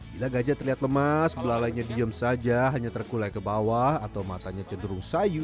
bila gajah terlihat lemas belalainya diem saja hanya terkulai ke bawah atau matanya cenderung sayu